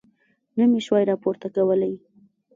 نه مې شوای راپورته کولی.